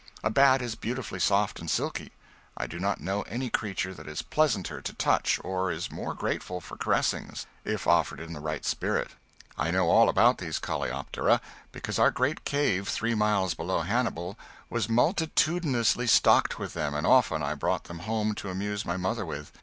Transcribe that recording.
A bat is beautifully soft and silky: I do not know any creature that is pleasanter to the touch, or is more grateful for caressings, if offered in the right spirit. I know all about these coleoptera, because our great cave, three miles below Hannibal, was multitudinously stocked with them, and often I brought them home to amuse my mother with.